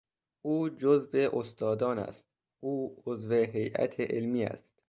او جزو استادان است، او عضو هیات علمی است.